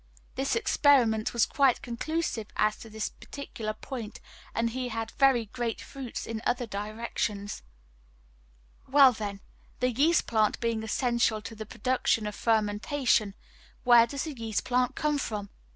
This experiment was quite conclusive as to this particular point, and has had very great fruits in other directions. Well, then, the yeast plant being essential to the production of fermentation, where does the yeast plant come from?